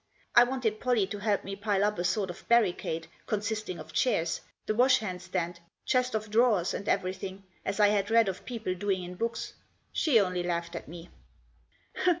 I wanted Pollie to help me pile up a sort of barricade, consisting of chairs, the washhandstand, chest of drawers, and everything, as I had read of people doing in books. She only laughed at me.